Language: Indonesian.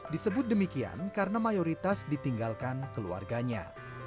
disebut demikian karena mayoritas ditinggalkan keluarganya